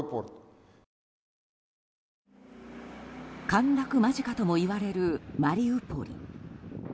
陥落間近ともいわれるマリウポリ。